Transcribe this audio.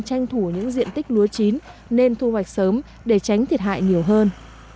tranh thủ những diện tích lúa chín nên thu hoạch sớm để tránh thiệt hại nhiều hơn